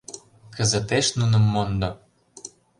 Кызытеш нуным мондо!